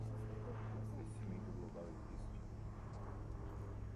O aquecimento global existe?